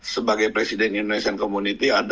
sebagai presiden indonesian community